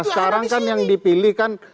sekarang kan yang dipilih kan